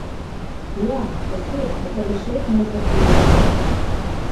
Jā, tas ir, bet arī šeit mēs atgriežamies.